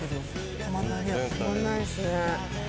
止まんないですね。